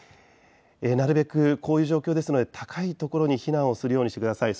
なるべくこういう状況ですので高いところに避難するようにしてください。